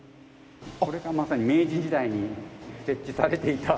これがまさに明治時代に設置されていた。